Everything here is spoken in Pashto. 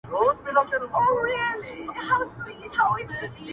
o زینب د پښتنو د ستر سالار حاجي میرویس خان نیکه لور وه,